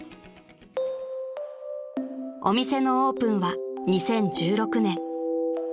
［お店のオープンは２０１６年］